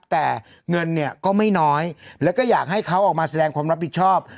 แต่เงินเนี่ยก็ไม่น้อยแล้วก็อยากให้เขาออกมาแสดงความรับผิดชอบ